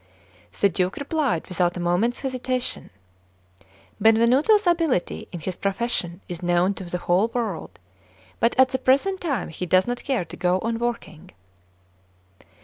The Duke replied without a moment's hesitation: "Benvenuto's ability in his profession is known to the whole world; but at the present time he does not care to go on working."